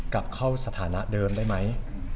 กลับเข้าสถานะเดิมได้ไหม